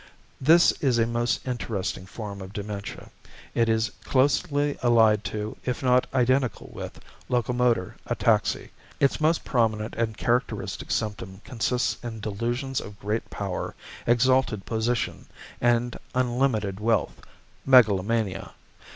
= This is a most interesting form of dementia. It is closely allied to, if not identical with, locomotor ataxy. Its most prominent and characteristic symptom consists in delusions of great power, exalted position, and unlimited wealth megalomania.